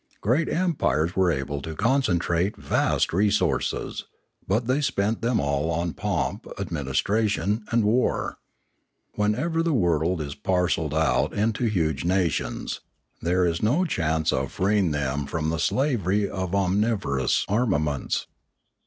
Great empires are able to concentrate vast resources; but they spend them all on pomp, administration, and war. Wherever the world is parcelled out into huge nations, there is no chance of freeing them from the slavery of omnivor ous armaments.